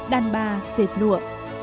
đàn bà xệt lụa